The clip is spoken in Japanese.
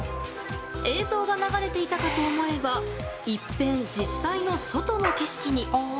映像が流れていたかと思えば一変、実際の外の景色に。